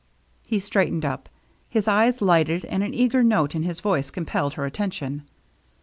He straightened up, his eyes lighted, and an eager note in his voice compelled her attention.